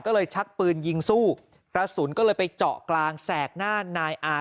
ก็เลยชักปืนยิงสู้กระสุนก็เลยไปเจาะกลางแสกหน้านายอา